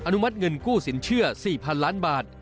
นุมัติเงินกู้สินเชื่อ๔๐๐๐ล้านบาท